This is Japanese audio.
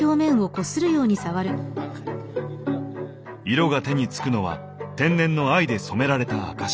色が手につくのは天然の藍で染められた証し。